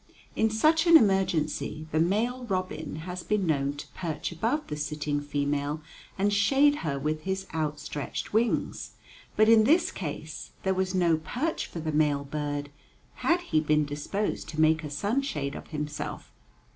In such an emergency the male robin has been known to perch above the sitting female and shade her with his outstretched wings. But in this case there was no perch for the male bird, had he been disposed to make a sunshade of himself.